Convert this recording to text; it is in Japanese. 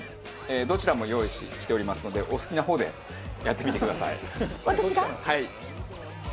どちらも用意しておりますのでお好きな方でやってみてください。